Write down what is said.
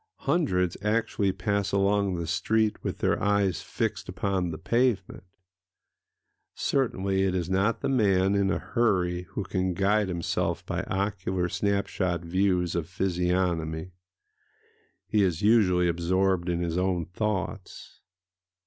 Hundreds actually pass along the street with their eyes fixed upon the pavement. Certainly it is not the man in a hurry who can guide himself by ocular snap shot views of physiognomy;—he is usually absorbed in his own thoughts....